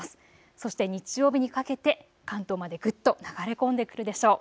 そして日曜日にかけて関東までぐっと流れ込んでくるでしょう。